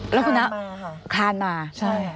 แล้วคุณน้าคานมา